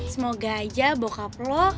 semoga aja bapak lo